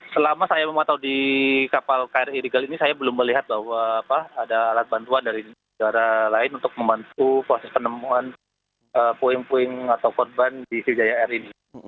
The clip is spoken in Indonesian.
selama saya memoto di kapal kri rigal ini saya belum melihat bahwa ada alat bantuan dari negara lain untuk membantu proses penemuan puing puing atau korban di sriwijaya air ini